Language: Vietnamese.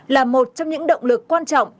là một trong những động lực quan trọng